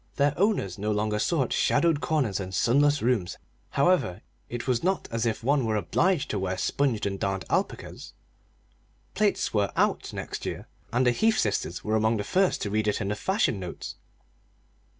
Their owners no longer sought shadowed corners and sunless rooms, however; it was not as if one were obliged to wear sponged and darned alpacas! Plaits were "out" next year, and the Heath sisters were among the first to read it in the fashion notes.